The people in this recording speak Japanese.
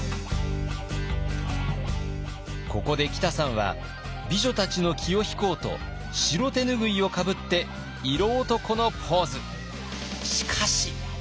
ここできたさんは美女たちの気を引こうと白手拭いをかぶって色男のポーズ。